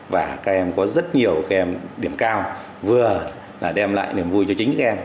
và các em có rất nhiều điểm cao vừa là đem lại niềm vui cho chính các em